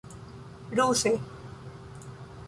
ruse